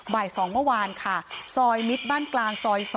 บ่าย๒เมื่อวานค่ะซอยมิตรบ้านกลางซอย๒